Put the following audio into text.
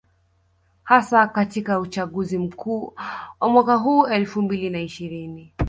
Hasa katika uchaguzi mkuu wa mwaka huu elfu mbili na ishirini